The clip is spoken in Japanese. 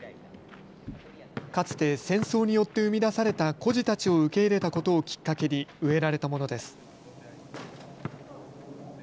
かつて戦争によって生み出された孤児たちを受け入れたことをきっかけに植えられたものです。